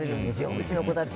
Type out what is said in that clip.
うちの子たち。